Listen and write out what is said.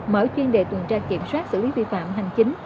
mở chuyên đề tuần tra kiểm soát xử lý vi phạm hành chính